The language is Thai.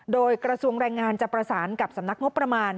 โดยกระทรวงแรงงานจะประสานกับสำนักงบประมาณ